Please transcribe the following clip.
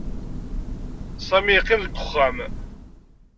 Sami yeqqim deg uxxam.